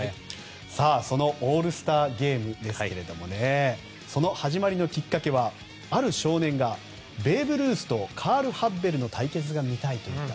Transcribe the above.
そのオールスターゲームですけれどもその始まりのきっかけはある少年がベーブ・ルースとカール・ハッベルの対決が見たいと言った。